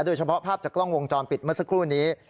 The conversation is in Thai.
โดยเฉพาะภาพจากกล้องวงจรปิดเมื่อสักครู่นี้